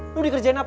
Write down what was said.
lo dikerjain apa